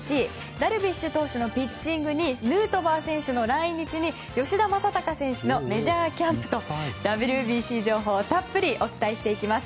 ダルビッシュ投手のピッチングにヌートバー選手の来日に吉田正尚選手のメジャーキャンプとＷＢＣ情報たっぷりお伝えしていきます。